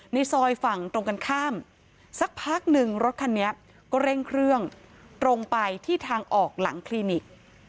ในซอยฝั่งตรงกันข้ามสักพักหนึ่งรถคันนี้ก็เร่งเครื่องตรงไปที่ทางออกหลังคลินิก